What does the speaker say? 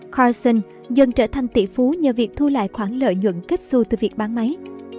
carson dần trở thành tỷ phú nhờ việc thu lại khoản lợi nhuận kết xu từ việc bán máy